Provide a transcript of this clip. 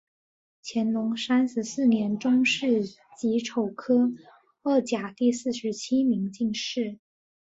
乾隆三十四年中式己丑科二甲第四十七名进士。